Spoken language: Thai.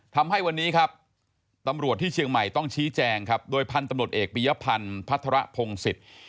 ทำให้วันนี้ครับตำรวจที่เชียงใหม่ต้องชี้แจงครับโดยพันธุ์ตำรวจเอกปียพันธ์พัฒระพงศิษย์